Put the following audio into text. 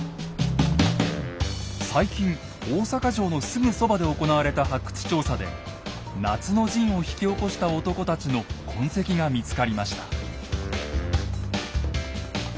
最近大阪城のすぐそばで行われた発掘調査で夏の陣を引き起こした男たちの痕跡が見つかりました。